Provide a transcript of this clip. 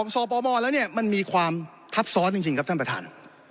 สปมแล้วเนี่ยมันมีความทับซ้อนจริงครับท่านประธาน